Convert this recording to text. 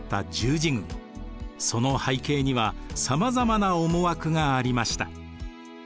その背景には様々な思惑がありました。